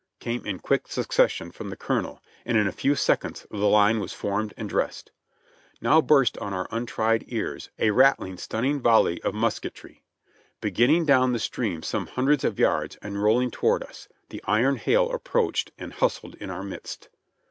came in quick succession from the colonel, and in a few seconds the Hne was formed and dressed. Now burst on our untried ears a rattling, stunning volley of musketry. Beginning down the stream some hundreds of yards and rolling toward us. the iron hail approached and hustled in our midst.